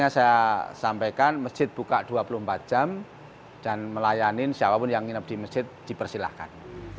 saya sampaikan masjid buka dua puluh empat jam dan melayani siapapun yang nginep di masjid dipersilahkan